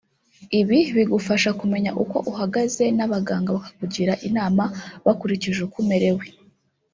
Ibi bigufasha kumenya uko uhagaze n’abaganga bakakugira inama bakurikije uko umerewe